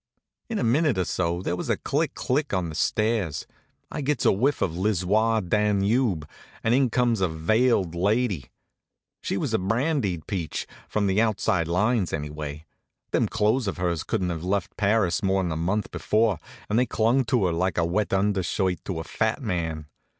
In a minute or so there was a click click on the stairs, I gets a whiff of l'Issoir Danube, and in comes a veiled lady. She was a brandied peach; from the outside lines, anyway. Them clothes of hers couldn't have left Paris more'n a month before, and they clung to her like a wet undershirt to a fat man.